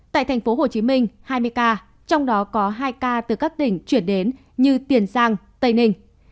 tại tp hcm hai mươi ca trong đó có hai ca từ các tỉnh chuyển đến như tiền giang tây ninh